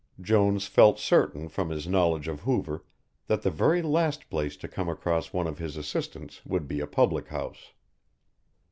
Jones felt certain from his knowledge of Hoover that the very last place to come across one of his assistants would be a public house.